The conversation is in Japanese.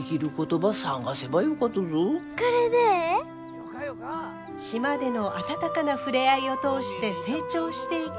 島での温かな触れ合いを通して成長していく舞。